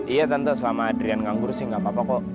iya tentu selama adrian nganggur sih gak apa apa kok